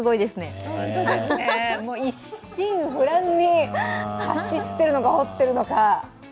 一心不乱に走ってるのか、掘ってるのか。